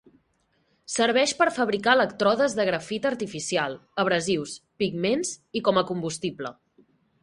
Serveix per fabricar elèctrodes de grafit artificial, abrasius, pigments i com a combustible.